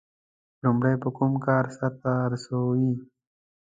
• لومړی به کوم کار سر ته رسوي؟